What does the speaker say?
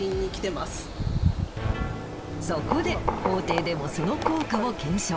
そこで法廷でもその効果を検証。